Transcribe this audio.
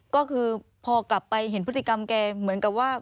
ก็คือพอกลับไปเห็นพฤติกรรมแกเหมือนกับว่า